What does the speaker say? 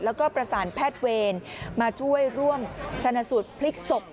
แล้วก็ประสานแพทย์เวรมาช่วยร่วมชนะสูตรพลิกศพ